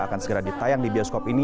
akan segera ditayang di bioskop ini